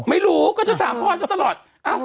ไม่รู้ก็จะถามพ่อบ้างสักตลอด